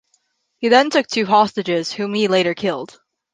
He then took two hostages, whom he later killed.